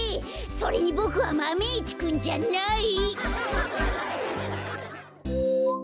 それにボクはマメ１くんじゃない！